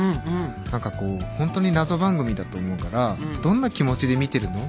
何かこう本当に謎番組だと思うから「どんな気持ちで見てるの？